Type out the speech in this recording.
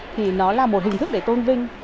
thì nó là một hình thức để tôn vinh